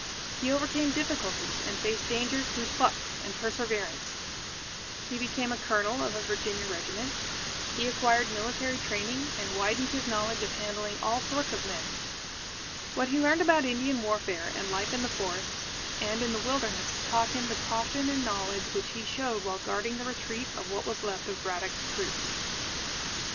He overcame difficulties and faced dangers through pluck and perseverance. He became a Colonel of a Virginia regiment. He acquired military training and widened his knowledge of handling all sorts of men. What he learned about Indian warfare and life in the forests and in the Wilderness, taught him the caution and knowledge which he showed while guarding the retreat of what was left of Braddock's troops.